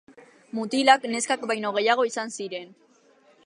Mutilak neskak baino gehiago izan ziren.